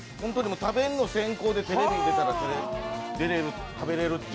食べるの先行でテレビ出たら食べれるって。